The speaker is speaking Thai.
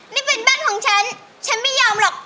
นี่เป็นบ้านของฉันฉันไม่ยอมหรอก